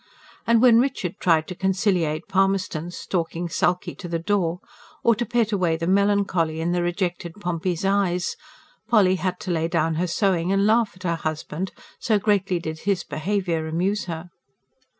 And when Richard tried to conciliate Palmerston stalking sulky to the door, or to pet away the melancholy in the rejected Pompey's eyes, Polly had to lay down her sewing and laugh at her husband, so greatly did his behaviour amuse her.